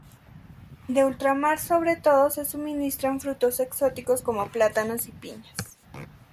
De ultramar sobre todo se suministran frutos exóticos como plátanos y piñas.